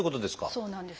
そうなんです。